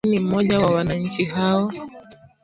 ali majdi ni mmoja wa wananchi hao